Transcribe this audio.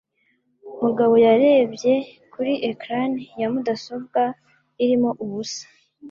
Mugabo yarebye kuri ecran ya mudasobwa irimo ubusa.